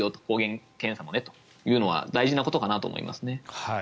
抗原検査もねというのは大事なことかなと思います。